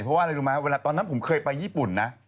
เพราะว่าอะไรรู้ไหมเวลาตอนนั้นผมเคยไปญี่ปุ่นนะ